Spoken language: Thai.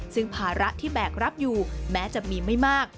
ซึ่งภาระที่แบกรับอยู่แม้จะมีไม่มาก